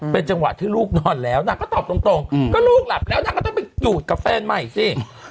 เป็นจังหวะที่ลูกนอนแล้วนางก็ตอบตรงก็ลูกหลับแล้วนางก็ต้องไปอยู่กับแฟนใหม่สิ